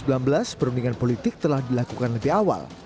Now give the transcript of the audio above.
pada dua ribu sembilan belas perundingan politik telah dilakukan lebih awal